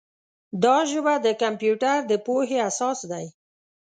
دا ژبه د کمپیوټر د پوهې اساس دی.